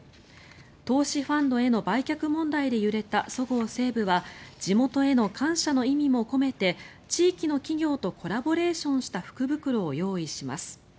投資ファンドへの売却問題で揺れたそごう・西武は地元への感謝の意味も込めて地域の企業とコラボレーションした福袋を用意します。